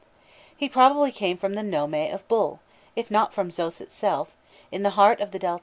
He probably came from the Nome of the Bull, if not from Xoïs itself, in the heart of the Delta.